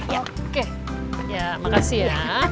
ya makasih ya